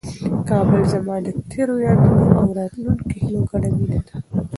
کابل زما د تېرو یادونو او د راتلونکي هیلو ګډه مېنه ده.